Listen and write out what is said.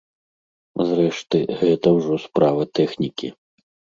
Зрэшты, гэта ўжо справа тэхнікі.